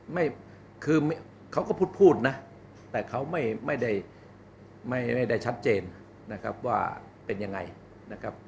ไม่คือเขาก็พูดพูดนะแต่เขาไม่ได้ไม่ได้ชัดเจนนะครับว่าเป็นยังไงนะครับ